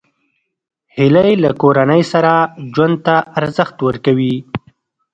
هیلۍ له کورنۍ سره ژوند ته ارزښت ورکوي